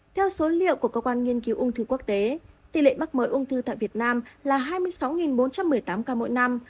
theo số liệu của cơ quan nghiên cứu ung thư quốc tế tỷ lệ mắc mới ung thư tại việt nam là hai mươi sáu bốn trăm một mươi tám ca mỗi năm